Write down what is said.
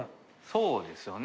そうですよね。